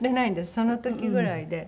その時ぐらいで。